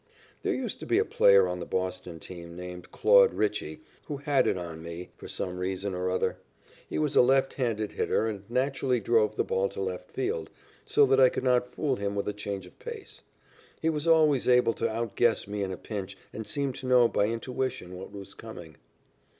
There used to be a player on the Boston team named Claude Ritchey who "had it on me" for some reason or other. He was a left handed hitter and naturally drove the ball to left field, so that I could not fool him with a change of pace. He was always able to outguess me in a pinch and seemed to know by intuition what was coming.